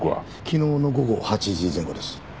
昨日の午後８時前後です。